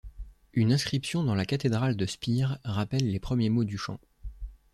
Une inscription dans la cathédrale de Spire rappelle les premiers mots du chant.